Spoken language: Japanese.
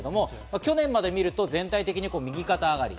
去年まで見ると全体的に右肩上がり。